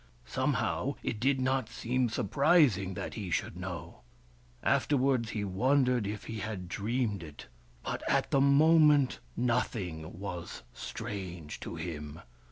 Some how, it did not seem surprising that he should know. Afterwards he wondered if he had dreamed it, but at the moment nothing was strange to him.